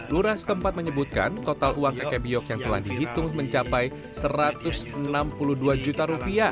lurah setempat menyebutkan total uang kakek biok yang telah dihitung mencapai rp satu ratus enam puluh dua juta